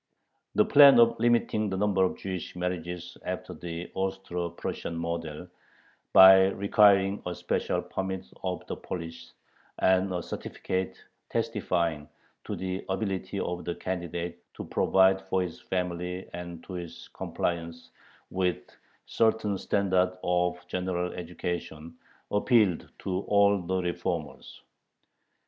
The plan of limiting the number of Jewish marriages after the Austro Prussian model, by requiring a special permit of the police and a certificate testifying to the ability of the candidate to provide for his family and to his compliance with certain standards of general education, appealed to all the reformers.